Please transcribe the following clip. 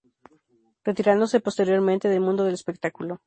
Retirándose posteriormente del mundo del espectáculo.